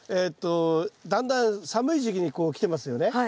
だんだん寒い時期にこうきてますよね。